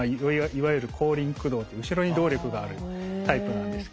いわゆる後輪駆動という後ろに動力があるタイプなんですけども。